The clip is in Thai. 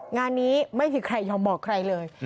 งานนี้ไม่มีใครยอมบอกใครเลย